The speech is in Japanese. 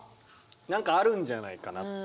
何かあるんじゃないかなって。